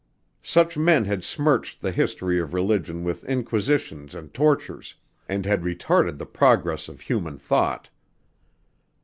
Such men had smirched the history of religion with inquisitions and tortures and had retarded the progress of human thought.